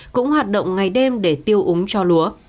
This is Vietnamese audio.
cũng hoạt động ngày đêm để tiêu úng cho lúa